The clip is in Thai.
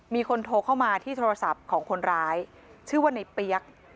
มีคนโทรเข้ามาที่โทรศัพท์ของคนร้ายชื่อว่าในเปี๊ยก